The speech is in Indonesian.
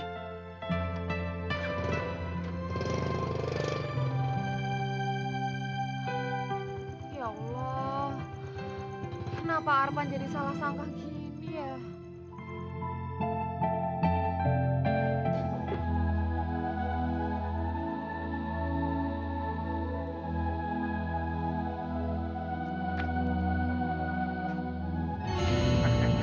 ya allah kenapa arfan jadi salah sangka gini ya